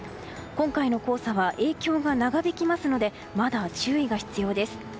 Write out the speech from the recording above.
今回の黄砂は影響が長引きますのでまだ注意が必要です。